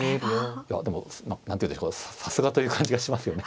いやでも何ていうんでしょうかさすがという感じがしますよね。